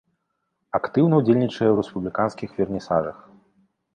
Актыўна ўдзельнічае ў рэспубліканскіх вернісажах.